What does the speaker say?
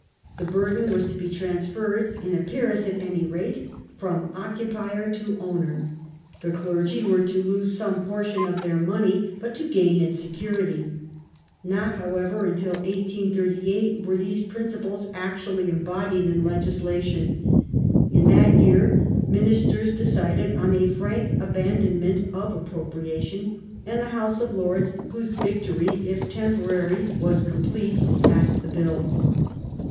The burden was to be transferred — in appearance at any rate — from occupier to owner ; the clergy were to lose some portion of their money, but to gain in security. Not, however, until 1838 were these principles actually embodied in legislation. In that year Ministei"s decided on a frank abandonment of appropriation, and the House of Lords, whose victory if temporary was complete, passed the Bill.